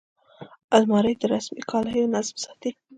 الماري د رسمي کالیو نظم ساتي